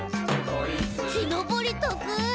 「きのぼりとくい！」